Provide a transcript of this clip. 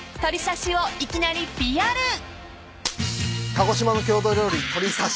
鹿児島の郷土料理鳥刺し